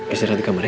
esera di kamar ya